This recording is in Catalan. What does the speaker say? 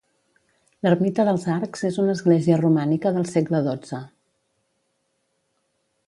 L'ermita dels arcs és una església romànica del segle dotze